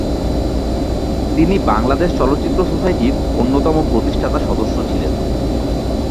তিনি বাংলাদেশ চলচ্চিত্র সোসাইটির অন্যতম প্রতিষ্ঠাতা সদস্য ছিলেন।